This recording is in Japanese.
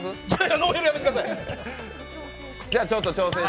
ノーヘルやめてください。